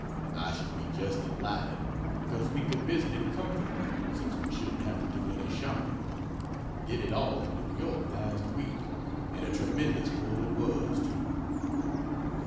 I should be just delighted; because we could visit in comfort, since we shouldn't have to do any shopping did it all in New York last week, and a tremendous pull it was too.